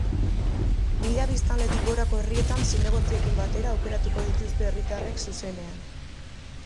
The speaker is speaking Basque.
Mila biztanletik gorako herrietan zinegotziekin batera aukeratuko dituzte herritarrek, zuzenean.